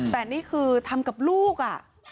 แต่นี่คือทำกับลูก